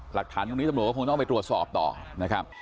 หลักฐานตรงนี้ตำรวจก็คงต้องไปตรวจสอบต่อนะครับ